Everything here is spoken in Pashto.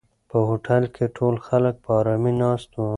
په هوټل کې ټول خلک په آرامۍ ناست وو.